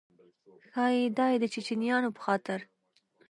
ښایي دا یې د چیچنیایانو په خاطر.